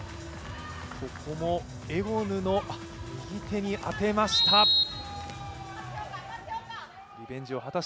エゴヌの右手に当てました。